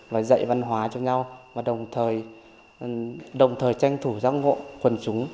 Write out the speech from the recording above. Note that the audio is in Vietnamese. và dạy văn hóa cho nhau và đồng thời tranh thủ giam ngộ quần chúng